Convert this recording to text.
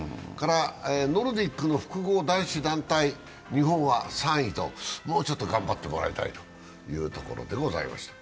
ノルディックの複合男子団体、日本は３位と、もうちょっと頑張ってもらいたいというところでした。